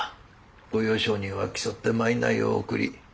御用商人は競って賄を贈り